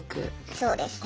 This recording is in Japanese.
そうです。